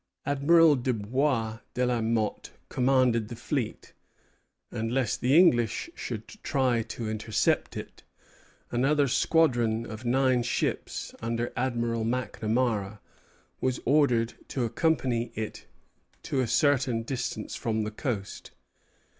Admiral Dubois de la Motte commanded the fleet; and lest the English should try to intercept it, another squadron of nine ships, under Admiral Macnamara, was ordered to accompany it to a certain distance from the coast.